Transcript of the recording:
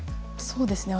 そうですね